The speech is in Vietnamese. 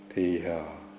thì hôm nay